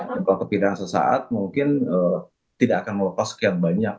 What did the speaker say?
kalau kepindahan sesaat mungkin tidak akan melepas sekian banyak